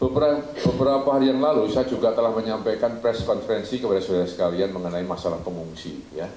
beberapa hari yang lalu saya juga telah menyampaikan press conferensi kepada saudara sekalian mengenai masalah pengungsi